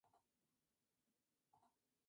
¿habían comido ellas?